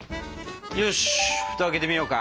よし蓋開けてみようか。